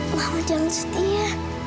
mama jangan sedih ya